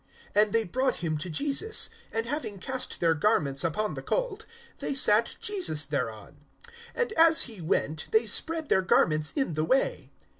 (35)And they brought him to Jesus; and having cast their garments upon the colt, they set Jesus thereon. (36)And as he went, they spread their garments in the way.